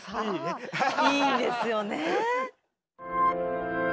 いいですよね。